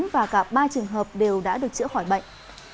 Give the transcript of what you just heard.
và cả ba trường hợp đều đã được chữa khỏi bệnh